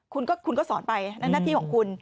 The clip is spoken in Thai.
คุณก็สอนไปนั่นหน้าที่ของคุณ